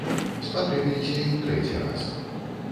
Спатрэбіліся і ў трэці раз.